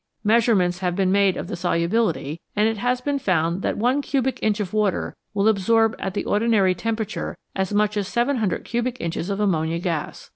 Measurements have been made of the solubility, and it has been found that one cubic inch of water will absorb at the ordinary temperature as much as 700 cubic inches of ammonia gas.